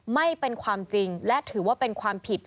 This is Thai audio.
ไม่เป็นความจริงและถือว่าเป็นความผิด